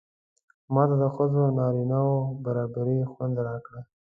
ماته د ښځو او نارینه و برابري خوند راکړ.